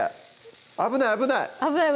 危ない危ない！